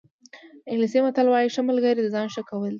انګلیسي متل وایي ښه ملګری د ځان ښه کول دي.